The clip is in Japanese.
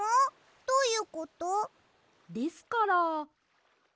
どういうこと？ですから。